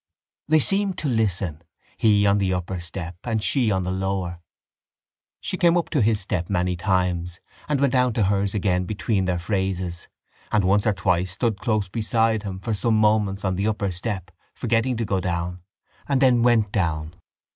They seemed to listen, he on the upper step and she on the lower. She came up to his step many times and went down to hers again between their phrases and once or twice stood close beside him for some moments on the upper step, forgetting to go down, and then went down.